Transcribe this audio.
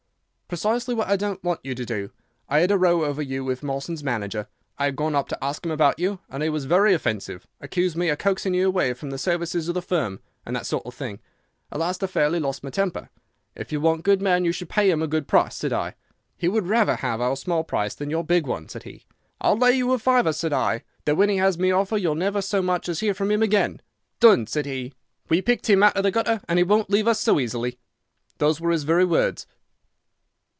"'Precisely what I don't want you to do. I had a row over you with Mawson's manager. I had gone up to ask him about you, and he was very offensive; accused me of coaxing you away from the service of the firm, and that sort of thing. At last I fairly lost my temper. "If you want good men you should pay them a good price," said I.' "'He would rather have our small price than your big one,' said he. "'I'll lay you a fiver,' said I, 'that when he has my offer you'll never so much as hear from him again.' "'Done!' said he. 'We picked him out of the gutter, and he won't leave us so easily.' Those were his very words."